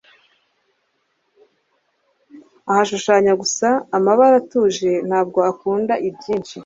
Ashushanya gusa amabara atuje; ntabwo akunda ibyinshi.